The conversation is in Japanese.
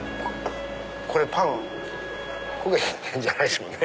これパン焦げてんじゃないですもんね？